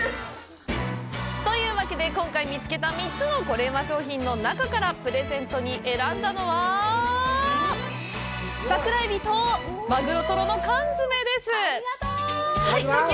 というわけで、今回、見つけた３つのコレうま商品の中からプレゼントに選んだのは「桜エビ」と「鮪とろの缶詰」です！